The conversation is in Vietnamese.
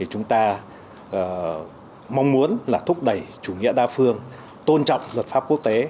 chúng ta mong muốn là thúc đẩy chủ nghĩa đa phương tôn trọng luật pháp quốc tế